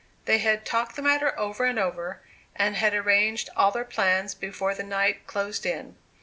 They had talked the matter over and over, and had arranged all their plans before the night closed in.